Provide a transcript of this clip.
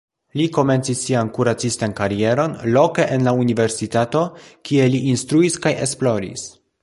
Li komencis sian kuracistan karieron loke en la universitato, kie li instruis kaj esploris.